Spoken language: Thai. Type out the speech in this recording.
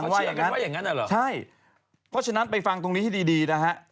เพราะฉะนั้นไปฟังตรงนี้ที่ดีนะครับ